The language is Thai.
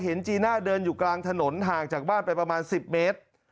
จีน่าเดินอยู่กลางถนนห่างจากบ้านไปประมาณ๑๐เมตร